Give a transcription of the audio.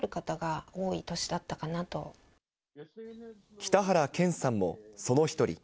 北原憲さんもその１人。